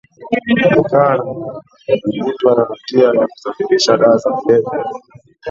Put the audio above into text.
kutokana na kwa kukutwa na hatia ya kusafirisha dawa za kulevya